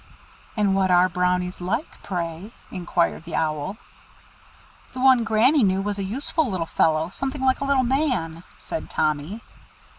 "And what are Brownies like, pray?" inquired the Owl. "The one Granny knew was a useful little fellow, something like a little man," said Tommy.